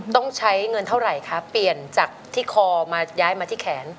ต้องใช้เงินเท่าไหร่คะเปลี่ยนจากที่คอมาย้ายมาที่แขน